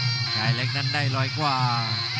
ชายเล็กนั้นได้ร้อยกว่า